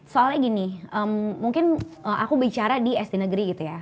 soalnya gini mungkin aku bicara di sd negeri gitu ya